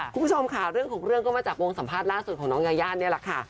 คุณผู้ชมค่ะเรื่องของเรื่องก็มาจากวงสัมภาษณ์ล่าสุดของน้องยายานี่แหละค่ะ